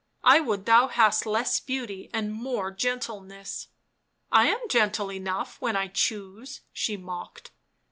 I would thou hadst less beauty and more gentleness. "" I am gentle enough when I choose," she mocked.